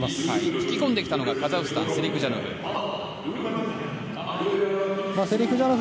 引き込んできたのがカザフスタンセリクジャノフ。